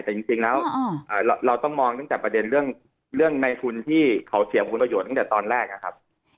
แต่จริงแล้วเราต้องมองตั้งแต่ประเด็นเรื่องในทุนที่เขาเสี่ยงคุณประโยชน์ตั้งแต่ตอนแรกนะครับ